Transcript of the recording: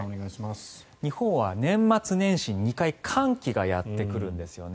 日本は年末年始に寒気が２回やってくるんですね。